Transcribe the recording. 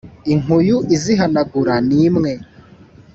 Inkuyu izihanagura ni imwe